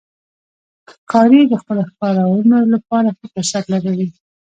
ښکاري د خپلو ښکارونو لپاره ښه فرصت لټوي.